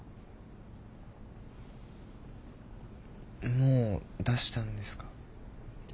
もう出したんですか？